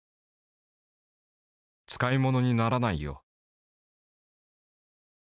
「使い物にならないよ」。